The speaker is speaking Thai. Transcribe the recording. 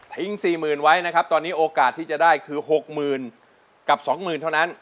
๔๐๐๐ไว้นะครับตอนนี้โอกาสที่จะได้คือ๖๐๐๐กับ๒๐๐๐เท่านั้น